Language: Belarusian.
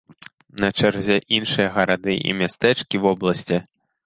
На чарзе іншыя гарады і мястэчкі вобласці.